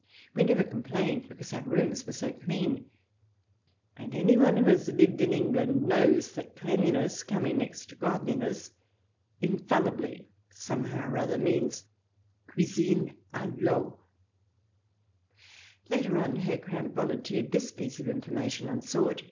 We never complained, because our rooms were so clean, and anyone who has lived in England knows that cleanHness, coming next to godliness, infallibly, somehow or other, means " cuisine a Teau." Later on Herr Kramp volunteered this piece of information unsought.